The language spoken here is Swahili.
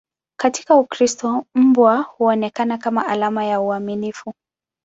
Katika Ukristo, mbwa huonekana kama alama ya uaminifu.